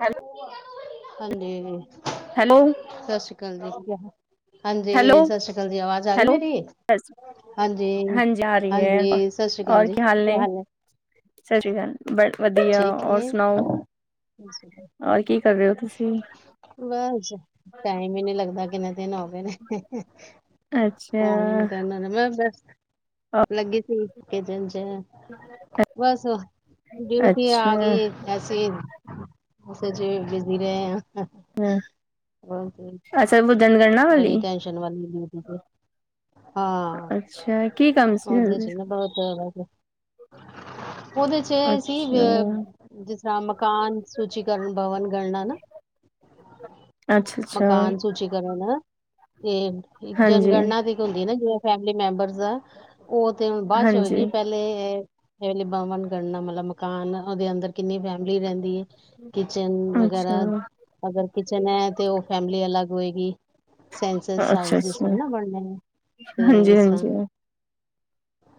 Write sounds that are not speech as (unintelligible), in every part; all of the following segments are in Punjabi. ਹੈਲੋ ਹਾਂਜੀ ਸਤਿ ਸ੍ਰੀ ਅਕਾਲ ਜੀ ਹੈਲੋ ਹਾਂਜੀ ਸਤ ਸ੍ਰੀ ਅਕਾਲ ਜੀ ਅਵਾਜ਼ ਆ ਰਹੀ ਹੈਲੋ ਮੇਰੀ ਹਾਂਜੀ ਹਾਂਜੀ ਆ ਰਹੀ ਹੈ ਹਾਂਜੀ ਸਤਿ ਸ਼੍ਰੀ ਅਕਾਲ ਜੀ ਕੀ ਹਾਲ ਹੈ ਸਤਿ ਸ਼੍ਰੀ ਅਕਾਲ ਬ ਵਧੀਆ ਠੀਕ ਔਰ ਹੈ ਸੁਣਾਓ ਔਰ ਕੀ ਕਰ ਰਹੇ ਹੋ ਤੁਸੀਂ ਬਸ ਟਾਈਮ ਹੀ ਨੀ ਲੱਗਦਾ ਕਿੰਨੇ ਦਿਨ ਹੋ ਗਏ ਨੇ ਹਮ ਹਮ ਅੱਛਾ ਪਾਣ ਨੀ ਕਰਨਾ ਮੈਂ ਬਸ (unintelligible) ਅ- ਲੱਗੀ ਸੀ ਕਿ ਦਿਨ ਚ ਬਸ ਡਿਊਟੀ ਆ ਅੱਛਾ ਗਈ ਐਸੀ ਜੇ ਬਿਜ਼ੀ ਰਹੇ ਆ ਹਮ ਅੱਛਾ ਬੁਧਨਗੜ (unintelligible) ਬੜੀ ਟੈਨਸ਼ਨ ਵਾਲੀ ਹਾਂ ਅੱਛਾ ਕੀ ਕੰਮ ਸੀ ਉਹਦੇ ਚ ਨਾ ਬਹੁਤ (inaudible) ਉਹਦੇ ਚ ਇਹ ਸੀ ਅੱਛਾ ਜਿਸ ਤਰ੍ਹਾਂ ਮਕਾਨ ਸੂਚੀਕਰਨ ਭਵਨ ਗਣਨਾ ਨਾ ਅੱਛਾ ਅੱਛਾ ਮਕਾਨ ਸੂਚੀਕਰਨ ਹਨ ਇਹ ਇੱਕ ਹਾਂਜੀ ਜਨਗਣਨਾ ਦੀ ਹੁੰਦੀ ਨਾ ਜੇ ਫੈਮਲੀ ਮੈਂਬਰਸ ਦਾ ਉਹ ਤੇ ਹੁਣ ਬਾਅਦ ਚ ਹਾਂਜੀ ਹੋਵੇਗੀ ਪਹਿਲੇ ਇਹਲੀ ਬਮਨ ਗਣਨਾ ਮਤਲਬ ਮਕਾਨ ਉਹਦੇ ਅੰਦਰ (unintelligible) ਕਿੰਨੀ ਫੈਮਲੀ ਰਹਿੰਦੀ ਹੈ, ਕਿਚਨ ਅੱਛਾ ਵਗੈਰਾ ਅਗਰ ਕਿਚਨ ਹੈ ਤੇ ਉਹ ਫੈਮਿਲੀ ਅਲੱਗ ਕੋਏਗੀ (unintelligible) ਸੈਂਸਸ ਅੱਛਾ ਹਾਊਸ ਜਿਸ ਤਰ੍ਹਾਂ ਅੱਛਾ ਨਾ ਬਣੇ ਤੇ ਹਾਂਜੀ ਇਸ ਹਾਂਜੀ ਤਰ੍ਹਾਂ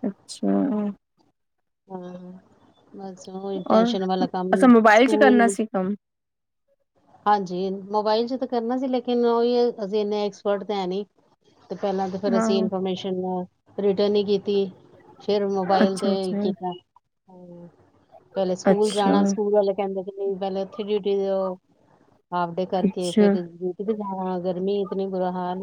ਅੱਛਾ ਹਮ ਬਸ ਉਹ ਹੀ ਔਰ ਟੈਂਨਸ਼ਨ ਵਾਲਾ ਕੰਮ ਹੈ ਸਕੂਲ ਹ ਹਾਂਜੀ, ਮੋਬਾਇਲ ਚ ਤਾਂ ਕਰਨਾ ਸੀ ਲੇਕਿਨ ਉਹੀ ਇਨੇ ਐਕਸਪਰਟ ਤਾਂ ਹੈ ਨੀ ਤੇ ਪਹਿਲਾਂ ਤਾਂ ਫੇਰ ਹਾਂ ਅਸੀਂ ਇਨਫੋਰਮੇਸ਼ਨ ਰੇ ਨੀ ਕੀਤੀ ਫੇਰ ਮੋਬਾਇਲ ਤੇ ਅੱਛਾ ਅੱਛਾ ਕੀਤਾ ਹਮ ਪਹਿਲੇ ਸਕੂਲ ਅੱਛਾ ਜਾਣਾ ਸਕੂਲ ਵਾਲੇ ਕਹਿੰਦੇ ਪਹਿਲੇ ਉੱਥੇ ਡਿਊਟੀ ਦਿਓ ਹਾ (unintelligible) ਫਡੇ ਕਰਕੇ ਅੱਛਾ ਫੇਰ ਤੇ ਜਾਣਾ ਗਰਮੀ ਇਤਨੀ ਬੁਰਾ ਹਾਲ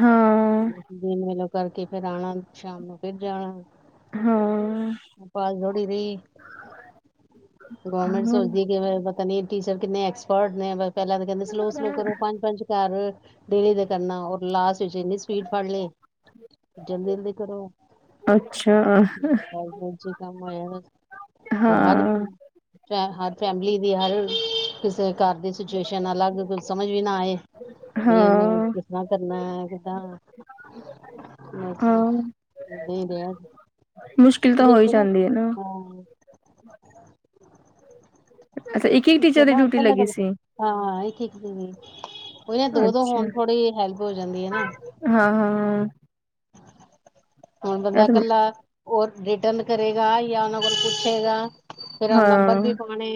ਹਾਂ ਦਿਨ ਮਿਲੋ ਕਰਕੇ ਫੇਰ ਆਉਣਾ ਸ਼ਾਮ ਨੂੰ ਫਿਰ ਜਾਣਾ ਹਾਂ ਫਦੀ ਗੌਰਮੈਂਟ ਹਾਂ ਸੋਚਦੀ ਕਿਵੇ ਤਨੀ ਟਿਚਰ ਕਿੰਨੇ ਐਸ੍ ਫੜਨ ਬਸ ਪਹਿਲਾਂ ਤਾਂ ਕਹਿੰਦੇ ਸਲੋਅ ਸਲੋ ਕਰੋ ਪੰਜ-ਪੰਜ ਘਰ ਡੇਲੀ ਦੇ ਕਰਨਾ ਰ ਲਾਸਟ ਵਿੱਚ ਇੰਨੀ ਸਪੀਡ ਫੜ ਲਏ ਜਲਦੀ-ਜਲਦੀ ਕਰੋ ਅੱਛਾ ਜਲਦੀ ਕੰਮ ਹੋਇਆ ਹਾਂ ਹੋ ਹਰ ਵੀ ਫੈ ਹਰ ਫੈਮਿਲੀ ਦੀ ਹਰ ਕਿਸੇ ਘਰ ਦੀ ਸਿਚੁਏਸ਼ਨ ਅਲੱਗ ਕੁਝ ਸਮਝ ਵੀ ਨਾ ਆਏ ਵੀ ਇਹਨੂੰ ਹਾਂ ਕਿਸ ਤਰ ਕਰਨਾ ਕਿਦਾਂ ਹਾਂ ਏਦਾਂ ਹੀ ਰਿਹਾ ਸੀ ਮੁਸ਼ਕਿਲ ਤਾਂ ਹੋਈ ਜਾਂਦੀ ਹੈ ਨਾ ਹਾਂ ਅੱਛਾ ਇੱਕ ਟੀਚਰ ਦੀ ਨਾ ਡਿਊਟੀ ਇਕੱਲਾ ਕੱ ਲੱਗੀ ਸੀ ਹਾਂ ਇੱਕ ਇੱਕ ਉਹ ਦੋ ਦੋ ਅੱਛਾ ਹੋਣ ਥੋੜੇ ਹੈਲਪ ਹੋ ਜਾਂਦੀ ਹੈ ਨਾ ਹਾਂ ਹਾਂ ਹਾਂ ਹੁਣ ਬੰਦਾ ਇਹ ਤਾਂ ਇਕੱਲਾ ਹੋਰ ਰਿਟਰਨ ਕਰੇਗਾ ਜਾਂ ਉਹਨਾਂ ਕੋਲ ਪੁੱਛੇਗਾ ਫੇਿਰ ਨੰਬਰ ਹਾਂ ਵੀ ਪਾਣੇ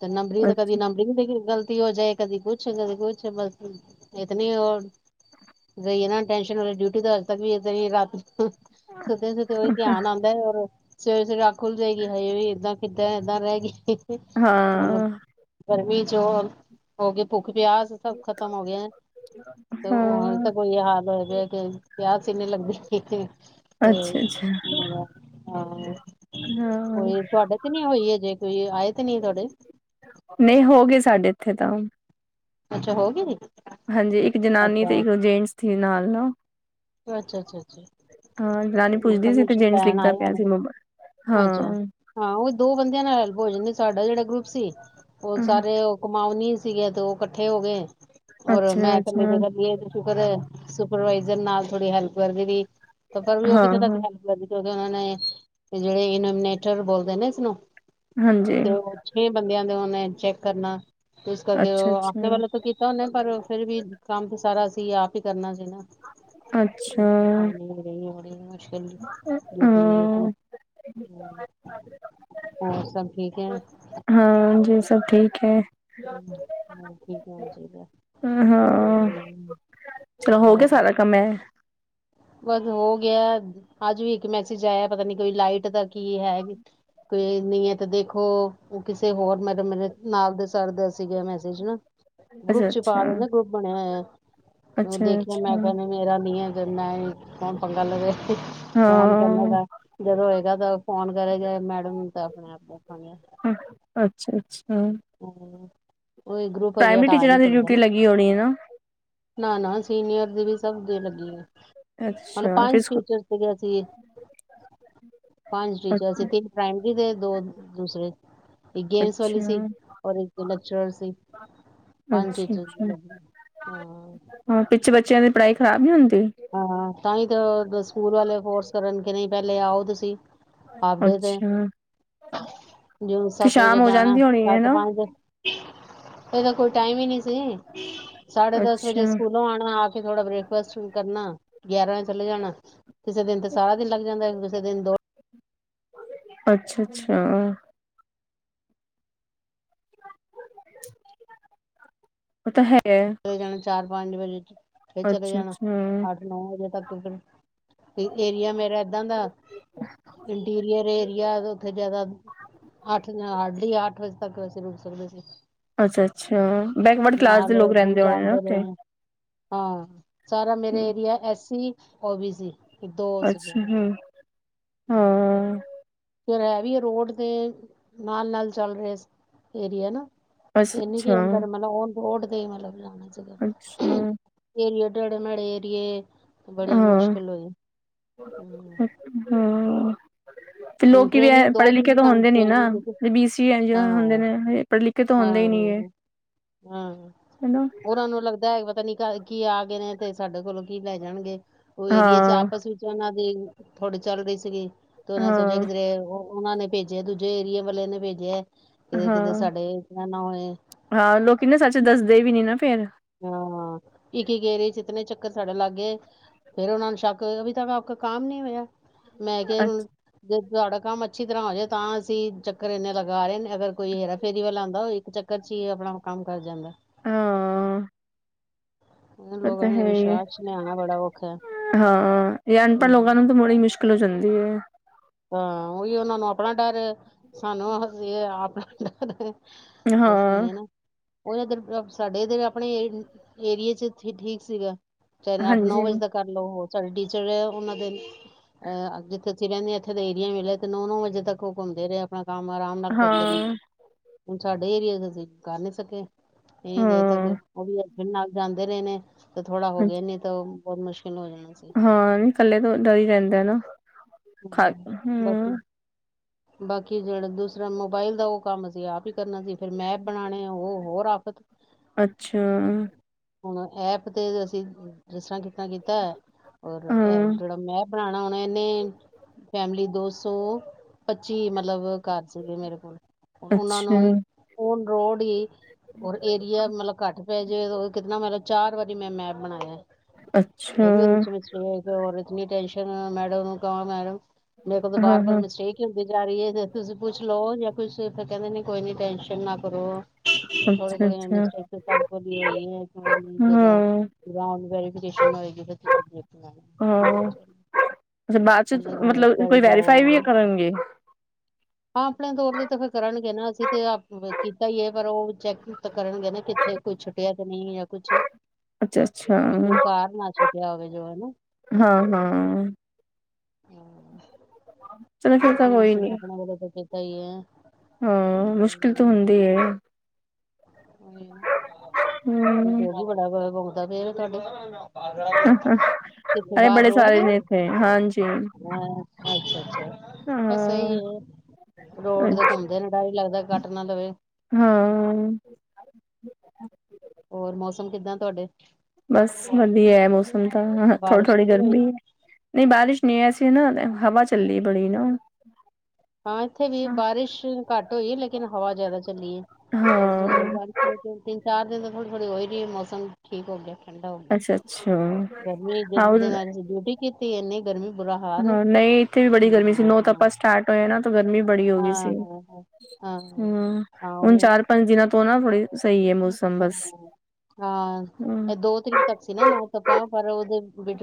ਤੇ ਨੰਬਰਿੰਗ ਦਾ ਅੱਛਾ ਕਦੀ ਨੰਬਰਿੰ ਦੇ ਗੱਲ ੀ ਹੋ ਜਾਏ ਕਦੀ ਕੁਛ ਕਦੀ ਕੁਛ ਬਸ ਇਤਨੀ ਹੋ ਗਹੀਏ ਨਾ ਟੈਂਸ਼ਨ ਵਾਲੀ ਡਿਊਟੀ ਤੋਂ ਅੱਜ ਤੱਕ ਵੀ ਇ ਰਾ ਹ ਸੁਦੇ ਸੁਦੇ ਉਹੀ ਧਿਆਨ ਆਉਂਦਾ ਹੈ ਔਰ ਸਵੇਰੇ ਸਵੇਰੇ ਆਖੁੱਲ ਜਾਏਗੀ ਹਏ ਵੀ ੱਦਾਂ ਕਿੱਦਾਂ ਏਦਾਂ ਰਹਿ ਗਈ ਹਾਂ ਰ ਵੀ ਜੋ ਹੋ ਗ ਭੁ ਪਿਆਸ ਸਭ ਖ਼ਤਮ ਹੋ ਗਿਆਏ ਤੇ ਹਜੇ ਹਾਂ ਤ ਕੋਈ ਹਾਲ ਹੋ ਗਿਆ ਕਿ ਪਿਆਸ ਕਿੰਨੇ ਲੱਗੇ ਤੇ ਅੱਛਾ ਅੱਛਾ ਹਾਂ ਉ ਹਾਂ ਤੁਹਾਡੇ ਤੇ ਨੀ ਹੋਈ ਜੇ ਕੋਈ ਆਏ ਤੇ ਨੀ ਤੁਹਾਡੇ ਨਹੀਂ ਹੋ ਗਏ ਸਾਡੇ ਇੱਥੇ ਤਮ ਅੱਛਾ ਹੋ ਗ ਹਾਂਜੀ ਇੱਕ ਜਨਾਨੀ ਤੇ ਇੱਕ ਜੇਂਟਸ ਸੀ ਨਾਲ ਨਾ ਅੱਛਾ ਅੱਛਾ ਕਿ ਹਾਂ ਜਨਾਨੀ ਪਤਾ ਪੁੱਛਦੀ ਸੀ ਤੇ ਕੁਛ ਜੇਂਟਸ ਲੈਣ ਲਿਖਦਾ ਆਏ ਪਿਆ ਹੋਣ ਸੀ ਮੋਬਾਈਲ। ਅੱਛਾ ਹਾਂ ਹਾਂ ਉਹੀ ਦੋ ਬੰਦਿਆਂ ਨਾਲ ਭੋਜਨ ਸਾਡਾ ਜਿਹੜਾ ਗਰੁੱਪ ਸੀ ਬਹੁਤ ਅਹ, ਸਾਰੇ (unintelligible) ਸੀਗੇ ਅਤੇ ਉਹ ਇਕੱਠੇ ਹੋ ਗਏ ਹੋਰ ਮੈਂ ਅੱਛਾ ਇਕੱਲੇ ਅੱਛਾ ਤੇ ਕਰੀਏ ਸ਼ੁਕਰ ਸੁਪਰਵਾਈਜ਼ਰ ਨਾਲ ਥੋੜ੍ਹੀ ਹੈਲਪ ਕਰਦੀ ਪਈ ਤੇ ਫਿਰ ਵੀ ਉਹ ਕਿਥੇ ਤੱਕ ਹਾਂ-ਹਾਂ, ਹੈਲਪ ਕਰਦੀ ਕਿਉਂਕਿ ਉਹਨਾਂ ਨੇ ਜਿਹੜੇ ਇਨੋਮੀਨੇਟਰ ਬੋਲਦੇ ਨੇ ਇਸਨੂੰ ਹਾਂਜੀ, ਤੇ ਉਹ ਛੇ ਬੰਦਿਆਂ ਦੇ ਮੈਂ ਚੈੱਕ ਕਰਨਾ ਇਸ ਕਰਕੇ ਉਹ ਆਪਣੇ ਅੱਛਾ-ਅੱਛਾ, ਵੱਲੋਂ ਤਾਂ ਕੀਤਾ ਉਹਨੇ ਪਰ ਫੇਰ ਵੀ ਕੰਮ ਤੇ ਸਾਰਾ ਆਪ ਹੀ ਕਰਨਾ (unintelligible) ਹੂੰ ਅੱਛਾ, ਪਰੇ ਸ਼ਾਨੀ ਰਹੀ (unintelligible) (unintelligible) ਡਿਊਟੀ ਹਾਂ, ਹੋਰ ਸਭ ਠੀਕ ਹੈ ਹਾਂਜੀ ਸਭ ਠੀਕ ਹੈ। ਹੂੰ ਹੋਰ ਠੀਕ ਹੋਣਾ ਚਾਹੀਦਾ ਹਾਂ, ਚਲੋ ਹੋ ਗਿਆ ਹੋਰ- ਸਾਰਾ ਕੰਮ ਐ, ਬਸ ਹੋ ਗਿਆ ਅੱਜ ਵੀ ਇੱਕ ਮੈਸੇਜ ਆਇਆ ਪਤਾ ਨੀ ਕੋਈ ਲਾਈਟ ਦਾ ਕੀ ਹੈ ਵੀ ਕੋ ਨਹੀਂ ਹੈ ਤੇ ਦੇਖੋ ਕਿਸੇ ਹੋਰ ਮੈਰੇ ਮੇਰੇ ਨਾਲ ਦੱਸ ਸੀਗਾ ਮੈਸੇਜ ਨਾ ਗਰੁੱਪ ਚ ਪਾ ਅੱਛਾ-ਅੱਛਾ, ਦੇਦੇ ਗਰੁੱਪ ਬਣਿਆ ਹੋਇਆ। ਉਹ ਦੇਖਿਆ ਮੈਂ ਅੱਛਾ-ਅੱਛਾ, ਕਿ ਮੇਰਾ ਨੀ ਏ ਮੈਂ ਕੋਣ ਪੰਗਾ ਲਵੇ ਫੋਨ ਹਾਂ। ਕਰਨੇਗਾ ਜਦੋਂ ਹੋਏਗਾ ਤਾਂ ਫੋਨ ਕਰੇਗਾ ਮੈਡਮ ਨੂੰ ਤਾਂ ਆਪਣੇ ਆਪ ਦੇਖਾਂਗੇ ਅੱਛਾ-ਅੱਛਾ, (unintelligible) ਉਹੀ ਗਰੁੱਪ ਹਜੇ ਪ੍ਰਾਇਮਰੀ ਹਟਾ ਟੀਚਰਾਂ ਨੀ ਦੀ ਸਕਦਾ ਡਿਊਟੀ ਨਾ ਲੱਗੀ ਹੋਣੀ ਹੈ ਨਾ, ਨਾ ਨਾ ਸੀਨੀਅਰ ਦੀ ਵੀ ਸਭ ਦੀ ਲੱਗੀ ਹੋਈ ਮਤਲਬ ਅੱਛਾ ਫਿਰ ਪੰਜ ਸਕੂ ਟੀਚਰ ਸੀਗੇ ਅਸੀਂ ਪੰਜ ਟੀਚਰ ਅੱਛਾ, ਸੀ ਤਿੰਨ ਪ੍ਰਮਰੀ ਦੇ ਦੋ ਦੂਸਰੇ ਗੇਮਸ ਵਾਲੀ ਸੀ- ਹੋਰ (inaudible) ਲੈਕਚਰਾਰ ਸੀ ਪੰਜੀ ਚ ਅੱਛਾ-ਅੱਛਾ, ਲੱਗ ਹਾਂ (inaudible) ਪੜਾਈ ਖ਼ਰਾਬ ਨਹੀਂ ਹੁੰਦੀ ਹਾਂ, ਤਾਂ ਹੀ ਸਕੂਲ ਵਾਲੇ ਫੋਰਸ ਕਰਨਗੇ, ਨਹੀਂ ਪਹਿਲੇ ਆਓ ਤੁਸੀਂ ਹਾਫ ਡੇ ਤੇ ਅੱਛਾ ਜਿਵੇਂ ਫੇਰ ਸੱਤ ਸ਼ਾਮ ਵਜੇ ਹੋ ਜਾਣਾ ਜਾਂਦੀ ਹੋਣੀ ਸੱਤ ਹੈਨਾ ਪੰਜ ਇਹਦਾ ਕੋਈ ਟਾਈਮ ਹੀ ਨਹੀ ਸੀ। ਸਾੜੇ ਦਸ ਵੱਜੇ ਅੱਛਾ, ਸਕੂਲੋਂ ਆਉਣਾ। ਥੋੜਾ ਬ੍ਰੇਕਫਾਸਟ ਵੀ ਕਰਨਾ, ਗਿਆਰਾਂ ਵਜੇ ਚਲੇ ਜਾਣਾ। ਕਿਸੇ ਦਿਨ ਤੇ ਸਾਰਾ ਦਿਨ ਲੱਗ ਜਾਂਦਾ, ਕਿਸੇ ਦਿਨ ਦੌੜ ਅੱਛਾ -ਅੱਛਾ। ਉਹ ਤਾਂ ਹੈ ਚ ਜਾਣਾ ਚਾਰ (inaudible) ਪੰਜ ਵਜੇ ਚ ਫਿਰ ਚਲੇ ਜਾਣਾ, ਅੱਛਾ-ਅੱਛਾ। ਅੱਠ -ਨੌ ਵਜੇ ਤੱਕ ਫਿਰ ਏਆ ਮੇ ਰ (inaudible) ਦਾਂ ਦਾ ਇੰਟੀਰੀਅਰ ਏ ਯਾ ਉੱਥੇ ਜਿਆਦਾ ਅੱਠ ਹਾਰਡਲੀ ਅੱਠ ਤੱਕ ਵੈਸੇ ਰੁਕ ਸਕਦੇ ਸੀ ਅੱਛਾ -ਅੱਛਾ ਬੈਕਵਰਡ ਕਲਾਸ ਦੇ ਲੋਕ ਰਹਿੰਦੇ ਹੋਣੇ ਨਾ ਜਾਣਦੇ ਉੱਥੇ ਰਹੇ ਆ (inaudible) ਹਾਂ। ਸਾਰਾ ਮੇਰਾ ਏਰੀਆ, ਐਸੀ ਉਹ ਵੀ ਸੀ? ਦੋ ਅੱਛਾ ਸੀਗੀਂਆਂ ਹੂੰ ਹਾਂ। ਫੇਰ ਹੈ ਵੀ ਰੋਡ ਤੇ, ਨਾਲ- ਨਾਲ ਚੱਲ ਰਿਹੇ ਏਰੀਏ ਨਾ ਅੱਛਾ ਏਨੀ ਕਿ ਅੱਛਾ ਅੰਦਰ ਮਤਲਬ ਉਹ ਡ ਗਈ ਮ ਲਬ ਜਾ ਅੱਛਾ (inaudible) ਇਹਰੀ (inaudible) ਤੇੜੇ ਮੇੜੇ ਏਰੀਏ ਬੜੀ ਹਾਂ ਮੁਸ਼ਕਿਲ ਹੋਈ। ਹੂੰ, ਹਾਂ ਹਾਂ (inaudible) ਤੇ ਹੁਣ ਲੋਕ ਵੀ ਟ੍ਰੇਨਿੰਗ ਦੋ ਪੜ੍ਹੇ- ਦਿਨ ਲਿਖੇ ਦੀ ਤੋਂ ਸਾਨੂੰ ਹੁੰਦੇ ਨ ਨਾ ਟ੍ਰੇਨਿੰਗ ਦਿੱਤੀ ਬੀਸੀ ਹਾਂ, ਹੁੰਦੇ ਹਾਂ। ਨੇ, ਪੜ੍ਹੇ ਲਿਖੇ ਤੋਂ ਹੁੰਦੇ ਹੀ ਨੀ ਹੈ ਹਾਂ ਹਾਂ ਹਨਾ। ਉਹਨਾਂ ਨੂੰ ਲੱਗਦਾ ਹੈ ਪਤਾ ਨੀ ਕੀ ਆ ਗਏ ਨੇ, ਤੇ ਸਾਡੇ ਕੋਲੋਂ ਕੀ ਲੈ ਜਾਣਗੇ। ਉਹ ਏਰੀਏ ਚ ਹਾਂ ਆਪਸ ਵਿੱਚ ਉਹਨਾਂ ਦੇ ਥੋੜ੍ਹੀ ਚੱਲ ਰਹੀ ਸੀਗੀ। ਤੇਰਾਂ ਚ ਜੇ ਹਾਂ ਕਿਧਰੇ ਓਹ ਉਹਨਾਂ ਨੇ ਭੇਜਿਆ, ਦੂਜੇ ਏਰੀਏ ਵਾਲਿਆਂ ਨੇ ਭੇਜਿਆ। ਕਿਤੇ ਕਿਤੇ ਹਾਂ, ਸਾਡੇ ਇਤਨਾ ਨਾ ਹੋਏ ਹਾਂ ਲੋਕੀ ਨਾ ਸੱਚ ਦੱਸਦੇ ਵੀ ਨੀ ਨਾ ਫਿਰ ਹਾਂ ਇੱਕ ਗੇਰੇ ਚ ਹੀ ਕਿਤਨੇ ਚੱਕਰ ਛੜਨ ਲੱਗ ਗਏ ਫੇਰ ਉਹਨਾ ਨੂੰ ਸ਼ੱਕ ਅਭੀ ਤੱਕ ਆਪਕਾ ਕਾਮ ਨੀ ਹੋਇਆ। ਮੈਂ ਕਿਹਾ ਹੁਣ ਅੱਛ ਜੇ ਤੁਹਾਡਾ ਕੰਮ ਅੱਛੀ ਤਰ੍ਹਾਂ ਹੋ ਜਾਵੇ ਤਾਂ ਅਸੀਂ ਚੱਕਰ ਇੰਨੇ ਲਗਾ ਰਹੇ ਨੇ ਅਗਰ ਕੋਈ ਹੇਰਾ ਫੇਰੀ ਵਾਲਾ ਆਂਦਾ, ਉਹ ਇੱਕ ਚੱਕਰ ਚ ਹੀ ਆਪਣਾ ਕੰਮ ਕਰ ਜਾਂਦਾ। ਹਾਂ ਲੋਕਾਂ ਤਾਂ ਹੈ ਨੂੰ ਹਾਂ ਵਿਸ਼ਵਾਸ ਚ ਲਿਆਣਾ ਬੜਾ ਔਖਾ ਹੈ ਯੇਹ ਹਾਂ ਇਹ ਅਨਪੜ ਲੋਕਾਂ ਹਮ, ਨੂੰ ਤਾਂ ਮੁੜੀ ਮੁਸ਼ ਕਲ ਹੋ ਜਾਂਦੀ ਐ। ਹਾਂ, ਉਹੀ ਉਹਨਾਂ ਨੂੰ ਆਪਣਾ ਡਰ ਸਾਨੂੰ ਆਪਣਾ ਡਰ ਦੱਸ ਹਾਂ ਨਾ ਉਹ ਇਧਰ ਸਾਡੇ ਇਧਰ ਆਪਣੇ ਏਰੀਏ ਚ ਠ ਠੀਕ ਸੀਗਾ। ਚਾਹ ਅੱਠ ਨੌ ਹਾਂਜੀ ਵਜੇ ਤੱਕ ਕਰ ਲਓ ਹੋ। ਚੇ ਟੀਚਰ ਉਹਨਾਂ ਦੇ ਅਹ ਜਿੱਥੇ ਅਸੀ ਰਹਿੰਦੇ ਆਂ ਇਥੇ ਇੱਥੇ ਦੇ ਏਰੀਆ ਮਿਲੇ ਤੇ ਨੌ- ਨੌ ਵਜੇ ਤੱਕ ਉਹ ਘੁੰਮਦੇ ਰਹੇ ਆਪਣਾ ਕੰਮ ਆਰਾਮ ਨਾਲ ਕਰਦੇ ਨੇ। ਹਾਂ ਹੁਣ ਸਾਡੇ ਏਰੀਏ ਚ ਅਸੀਂ ਕਰ ਨੀ ਸਕੇ। ਨਹੀਂ ਦੇਰ ਤੱਕ ਹਾਂ, ਉਹ ਵੀ ਨਾਲ ਜਾਂਦੇ ਰਹੇ ਨੇ। ਥੋੜਾ ਹੋ ਅੱਛ ਗਿਆ ਏ ਨੇ ਤੋ ਬਹੁਤ ਮੁਸ਼ ਹਾਂ ਨ ਇਕੱਲੇ ਤੋਂ ਡਰ ਹੀ ਰਹਿੰਦਾ ਨਾ। ਖਾ ਹਮ, ਬਾਕੀ ਹੂੰ। ਬਾਕੀ ਜਿਹੜਾ ਦੂਸਰਾ ਮੋਬਾਇਲ ਦਾ ਉਹ ਕੰਮ ਅ ਸੀ ਆਪ ਹੀ ਕਰਨਾ ਸੀ, ਫਿਰ ਮੈਪ ਬਣਾਣੇ ਉਹ ਹੋਰ ਆਫ਼ਤ ਅੱਛਾ ਹੁਣ ਐਪ ਤੇ ਅਸੀਂ ਦੱਸਾਂਗੇ ਕਿ ਕੀਤਾ ਰ ਇਹ ਹਾਂ, ਜਿਹੜਾ ਮੈਂ ਬਣਾਣਾ ਹੋਣਾ ਇਹਨੇ ਫੈਮਿਲੀ ਦੋ ਸੌ ਪੱਚੀ ਮਤਲਬ ਘਰ ਸੀਗੇ ਮੇਰੇ ਕੋਲ ਉਹਨਾਂ ਅੱਛਾ, ਨੂੰ ਉਹ ਰੋੜੀ ਔਰ ਏਰੀਆ ਮਤਲਬ ਘੱਟ ਪੈ ਜੇ ਉਹ ਵੀ ਕਿਤਨਾ ਮਤਲਬ ਚਾਰ ਵਾਰੀ ਮੈਂ ਮੈਪ ਬਣਾਇਆ। ਅੱਛਾ, ਫਿਰ ਵੀ ਉਹਦੇ ਚ ਮਿਸਟੇਕ ਔਰ ਕਿਨੀ ਟੈਨਸ਼ਨ ਮੈਡਮ ਨੂੰ ਕਵਾ ਮੈਡਮ ਮੇਰੇ ਕੋਲ ਬਾਰ-ਬਾਰ ਹਾਂ-ਹਾਂ, ਮਿਸਟੇਕ ਹੀ ਹੁੰ ਮੇਰੀ ਦੇਰਾਣੀ ਜਾ ਰਹੀਏ ਤੁਸੀਂ ਪੁੱਛ ਲੋਓ ਜਾਂ ਕੁਛ ਫਿਰ ਕਹਿੰਦੇ ਨੇ ਕੋਈ ਨੀ ਟੈਸ਼ਨ ਨਾ ਕਰੋ। ਥੋੜੇ ਥੋੜੇ ਇੰਨਾ ਅੱਛਾ-ਅੱਛਾ, ਚੈੱਕ ਕਰ ਤੇ ਲਿਏ, ਹਾਂ, ਜਦੋਂ ਵੈਰੀਫਿਕੇਸ਼ਨ ਹੋਏਗੀ ਤੇ ਹਾਂ। ਚਲੋ, ਅੱਛਾ ਬਾਅਦ ਚ ਮਤਲਬ ਕਰੀ ਕੋਈ ਵੈਰੀਫਾਈ ਵੀ ਜਾਓ, ਕਰਨਗੇ ਹਾਂ ਆਪਣੇ ਤੌਰ ਤੇ ਤੇ ਫਿਰ ਕਰਨ ਟਲਨਗੇ ਨਾ, ਅਸੀਂ ਤੇ ਆਪ ਕੀਤਾ ਹੀ ਹੈ ਪਰ ਉਹ ਚੈੱਕ ਕਰਨਗੇ ਨਾ ਕਿੱਥੇ ਕੁਈ ਛੁੱਟਿਆ ਤੇ ਨਹੀਂ ਜਾਂ ਕੁਛ ਅੱਛਾ-ਅੱਛਾ, ਵੀ ਕੋਈ ਕਾਰ ਨਾ ਛੁੱਟਿਆ ਹੋਵੇ ਜੋ ਹਾਂ-ਹਾਂ। ਹਨਾ ਚਲੋ ਫਿਰ ਤਾਂ ਹੁਣ ਕੋਈ ਅਸੀਂ ਨੀ। ਆਪਣੇ ਵੱਲੋਂ ਤਾਂ ਕੀਤਾ ਹੀ ਹਾਂ ਹੈ ਮੁਸ਼ਕਿਲ ਤੋਂ ਹੁੰਦੀ ਏ। ਉਈ ਨਾ, ਹਾਂ (unintelligible) ਹੂੰ। ਬਹੁਤ ਹੀ ਵਢਾ ਦਾ ਫੇਰ ਤੋਹਾਢੇ ਏ ਬੜੇ ਸਾਰੇ ਨੇ ਇੱਥੇ। ਹਨ ਹਾ ਅੱਛਾ-ਅੱਛਾ, ਬਸ ਏਹੀ ਹਾਂ। ਏ, ਰੋਡ ਤੇ ਘੁੰਮਦੇ ਨੇ ਡਰ ਹੀ ਲੱਗਦਾ ਕੱਟ ਨਾ ਲਵੇ। ਹਾਂ (inaudible) ਹੋਰ, ਮੌਸਮ ਕਿੱਦਾਂ ਤੁਹਾਡੇ? ਬਸ ਵਧੀਆ ਹੈ ਮੌਸਮ ਤਾਂ, ਬਾਰਿਸ਼ ਥੋੜੀ-ਥੋੜੀ ਤਾਂ ਨਹੀਂ ਹੋਈ ਗਰਮੀ ਨਹੀਂ, ਬਾਰਿਸ਼ ਨਹੀਂ ਅਸੀ ਨਾ (unintelligible) ਬੜੀ ਨਾ ਹਾਂ ਇੱਥੇ ਵੀ ਹਾਂ ਬਾਰਿਸ਼ ਘੱਟ ਹੋਈ ਹੈ, ਲੇਕਿਨ ਹਵਾ ਜਿਆਦਾ ਚੱਲੀ ਏ ਥੋੜੀ-ਥੋੜੀ ਬਾਰਿਸ਼ ਚਾਰ ਦਿਨ ਤਾਂ ਥੋੜੀ-ਥੋੜੀ ਹੋ ਹੀ ਰਹੀ ਹੈ, ਮੌਸਮ ਠੀਕ ਹੋ ਗਿਆ। ਠੰਡਾ ਹੋ ਗਿਆ, ਅੱਛਾ ਅੱਛਾ ਗਰਮੀ ਹਾਂ ਜਿਨ ਦਿਨਾਂ 'ਚ ਡਿਊਟੀ ਕੀਤੀ ਇੰਨੀ। ਗਰਮੀ ਬੁਰਾ ਹਾਲ ਹਾਂ ਇੱਥੇ ਵੀ ਬੜੀ ਗਰਮੀ ਸੀ। ਹਾਂ ਨੌ ਤਪਾ ਸਟਾਰਟ ਹੋਏਆ ਨਾ ਤੋ ਗਰਮੀ ਬੜੀ ਹੋ ਗਈ ਹਾਂ ਸੀ, ਹਾਂ ਹਾਂ ਹਾਂ ਹੂੰ, ਹਾਂ ਹੁਣ ਉਹੀ ਹੈ ਨਾ ਚਾਰ-ਪੰਜ ਦਿਨਾਂ ਤੋਂ ਨਾ ਥੋੜੀ ਸਹੀ ਏ। ਹਾਂ, ਹਮ ਇਹ ਦੋ ਤਰੀਕ ਤੱਕ ਸੀ ਨਾ ਨੋਤਪਾ ਪਰ ਉਹਦੇ (unintelligible)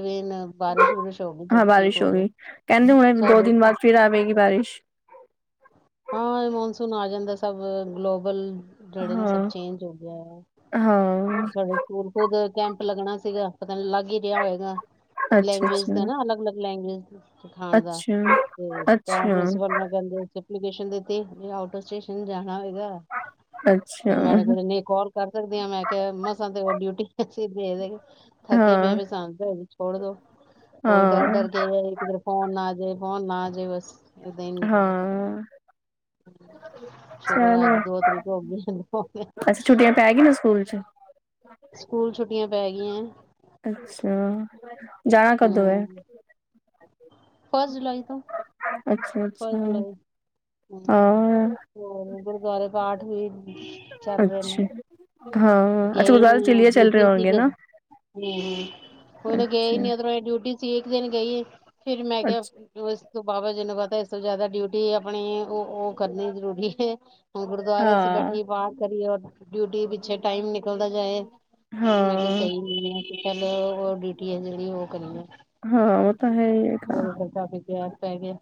ਬਾਰਿਸ਼ ਬੁਰਿਸ਼ ਹੋ ਗਈ ਸਭ ਹਾਂ ਠੀਕ ਬਾਰਿਸ਼ ਹੋ ਗਿਆ ਗਈ, ਕੇਂਦੇ ਹੁਨੇ ਦੋ ਸਾਡੇ ਦਿਨ ਇੱਥੇ। ਬਾਦ ਫੇਰ ਆਵੇਗੀ ਬਾਰਿਸ਼। ਹਾਂ ਏ ਮੌਨਸੂਨ ਆ ਜਾਂਦਾ ਸਭ ਗਲੋਬਲ। ਸਾਡੇ ਨਾ ਸਭ ਹਾਂ ਚੇਂਜ ਹੋ ਗਿਐ, ਹਾਂ ਸਾਡੇ (unintelligible) ਕੈਂਪ ਲੱਗਣਾ ਸੀਗਾ। ਤੁਆਨੂੰ ਲੱਗ ਈ ਰਿਆ ਹੋਏਗਾ, ਅੱਛਾ ਲੈਂਗੁਏਜ਼ ਦਾ ਅੱਛਾ ਨਾ ਅਲਗ-ਅਲਗ ਲੈਂਗੁਏਜ਼। (inaudible) ਸਖਾਣ ਦਾ, ਅੱਛਾ ਤੇ ਤਾਂ ਅੱਛਾ ਪ੍ਰਿੰਸੀਪਲ ਮੈਮ ਕੇਂਦੇ ਐਪਲੀਕੇਸ਼ਨ ਦਿਤੀ, ਵਈ ਆੳਟ ਆੱਫ਼ ਸਟੇਸ਼ਨ ਜਾ ਮੈ ਔਹੀ ਕੇਹਾ, ਅੱਛਾ ਹਾਂ ਹਾਂ (unintelligible) ਫੋਨੇ ਆ ਜੇ ਬਸ। ਏਦਾਂ ਈ ਨਿਕਲਦਾ ਸ ਹਮ ਚੱਲ ਸ਼ੁਕਰ ਅੱਜ ਦੋ ਤਰੀਕ ਹੋ ਗਈ ਅਸੀ ਛੁੱਟੀਆਂ ਪੈ ਗਈ ਨਾ ਸਕੂਲ ਚ ਸਕੂਲ ਛੁੱਟੀਆਂ ਪੈ ਗਈਆਂ ਹੈ ਅੱਛਾ ਜਾਣਾ ਕਦੋ ਹੈ ਫਸਟ ਜੁਲਾਈ ਤੋਂ ਅੱਛਾ ਅੱਛਾ ਹਮ ਹਾਂ ਹੋਰ ਗੁਰਦੁਆਰੇ ਪਾਠ ਵੀ ਚੱਲ ਰਹੇ ਅੱਛਾ ਨੇ ਹਾਂ ਅੱਛਾ ਗਏ ਗੁਰਦੁਆਰੇ ਨੀ ਚਲੀਏ ਚੱਲ ਰਹੇ ਡਿਊਟੀ ਸੀ ਹੋਣਗੇ ਹਮ ਨਾ ਨੂੰ ਗਏ ਅੱਛਾ ਨੀ ਇਧਰੋਂ ਡਿਊਟੀ ਸੀ ਇੱਕ ਦਿਨ ਗਈਏ ਫੇ (unintelligible) ਰ ਮੈਂ ਕਿਹਾ ਅੱਛਾ ਉਸ ਤੋਂ ਬਾਬਾ ਜਨ ਤਾਂ ਇਸ ਤੋਂ ਜ਼ਿਆਦਾ ਡਿਊਟੀ ਆਪਣੀ ਉਹ ਉਹ ਕਰਨੀ ਜ਼ਰੂਰੀ ਹੈ ਗੁਰਦੁਆਰੇ ਚ ਹਾਂ ਬੈਠੀਏ ਪਾਠ ਕਰੀਏ ਡਿਊਟੀ ਪਿੱਛੇ ਟਾਈਮ ਨਿਕਲਦਾ ਜਾਏ ਫਿਰ ਮੈਂ ਤੇ ਹਾਂ ਸਹੀ ਨ ਆ ਕਿ ਚੱਲ ਉਹ ਡਿਊਟੀ ਹੈ ਜਿਹੜੀ ਉਹ ਕਰੀ ਆ ਹਾਂ ਉਹ ਤਾਂ (unintelligible) ਹੈ ਹੋਰ ਫਿਰ ਕਾਫੀ ਤੇ ਪੈ ਗਿਆ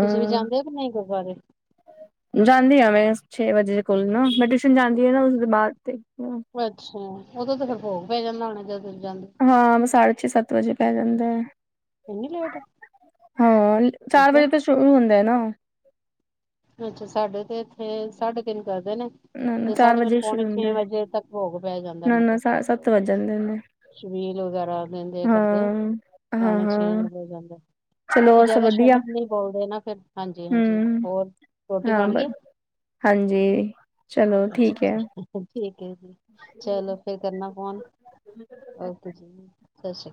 ਤੁਸੀਂ ਵੀ ਜਾਂਦੇ ਹੋ ਕਿ ਨਹੀਂ ਗੁਰਦੁਆਰੇ ਜਾਂਦੀ ਹਾਂ ਮੈਂ ਛੇ ਵਜੇ ਲ ਬ (unintelligible) ਛਣ ਜਾਂਦੀਆਂ ਨਾ ਉਸਦੇ ਬਾਅਦ ਦੇ (unintelligible) ਜ (unintelligible) ਹਾਂ ਸਾਢੇ ਛੇ ਸਤ ਵਜੇ ਪੈ ਜਾਂਦਾ ਹੈ ਇੰਨੀ ਲੇਟ ਹਾਂ ਚਾਰ ਅੱਛਾ ਵਜੇ ਤਾਂ ਸ਼ੁਰੂ ਹੁੰਦਾ ਨਾ (unintelligible) (inaudible) ਅੱਛਾ ਸਾਡੇ ਤੇ ਇੱਥੇ ਸਾਢੇ ਤਿੰਨ ਕਰਦੇ ਨੇ ਨਾ ਨਾ ਤੇ ਚਾਰ ਸਾਡੇ ਵਜੇ ਤਿਨ ਹੀ ਸ਼ੁਰੂ ਪੌਣੇ ਹੁੰਦਾ ਛੇ ਹੈ। ਵਜੇ ਤੱਕ ਭੋਗ ਪੈ ਜਾਂਦਾ ਨਾ ਨਾ ਮਤਲਬ ਸਾ- ਸੱਤ ਵੱਜ ਜਾਂਦੇ ਨੇ ਸ਼ਬੀਲ ਵਗੈਰਾ ਦਿੰਦੇ ਕਰਦੇ ਹਾਂ ਹਾਂ ਪੌਣੇ ਛੇ ਹਾਂ ਹੋ ਜਾਂਦੇ ਚਲੋ ਤੇ ਹੋਰ ਸਭ ਜ਼ਿਆਦਾ ਵਧੀਆ ਸ਼ਬਦ ਨਹੀਂ ਬੋਲਦੇ ਨਾ ਫਿਰ ਹਾਂਜੀ ਹਾਂਜੀ ਹਮ ਹੋਰ ਰੋਟੀ ਹਾਂ ਬਣ ਬਾਏ ਗਈ ਹਾਂਜੀ ਚਲੋ ਅੱਛਾ ਠੀਕ ਹੈ ਅੱਛਾ ਠੀਕ ਏ ਜੀ ਚਲੋ ਫੇਰ ਕਰਨਾ ਫੋਨ ਓਕੇ ਸਤਿ ਸ੍ਰੀ ਆਕਾਲ